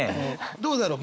どうだろう？